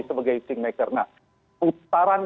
sebagai king maker nah putaran